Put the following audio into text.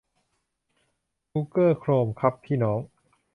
กูเก้อ โครม ! ครับพี่น้อง